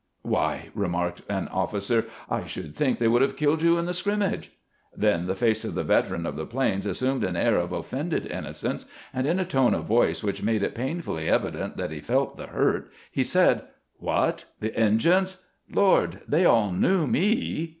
"Why," remarked an officer, "I should think they would have killed you in the scrimmage." Then the face of the veteran of the plains assumed an air of offended innocence, and in a tone of voice which made it painfully evident that he felt the hurt, he said, " What ?— the Injuns ! Lord, they all knew me